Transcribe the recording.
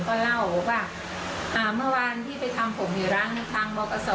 ก็เล่าบอกว่าเมื่อวานที่ไปทำผมอยู่ร้านทางบกศ